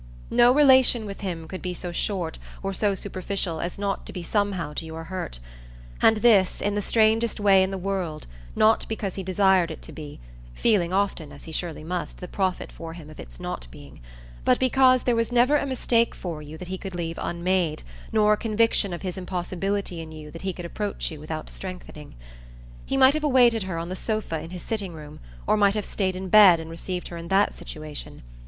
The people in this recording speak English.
No relation with him could be so short or so superficial as not to be somehow to your hurt; and this, in the strangest way in the world, not because he desired it to be feeling often, as he surely must, the profit for him of its not being but because there was never a mistake for you that he could leave unmade, nor a conviction of his impossibility in you that he could approach you without strengthening. He might have awaited her on the sofa in his sitting room, or might have stayed in bed and received her in that situation.